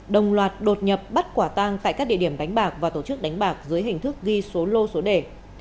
đồng loạt đột nhập bắt quả tang tại các địa điểm đánh bạc và tổ chức đánh bạc dưới hình thức ghi số lô số đề